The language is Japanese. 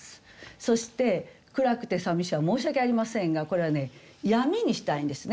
そして「暗くて淋し」は申し訳ありませんがこれはね「闇」にしたいんですね。